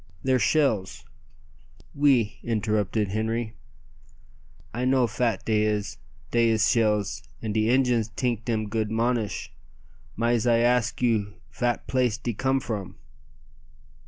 "They're shells " "Oui," interrupted Henri; "I know fat dey is. Dey is shells, and de Injuns tink dem goot monish, mais I ask you fat place de come from."